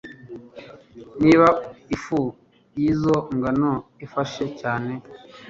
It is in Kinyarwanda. Niba ifu yizo ngano ifashe cyane